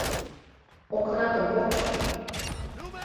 — Окнатым поч!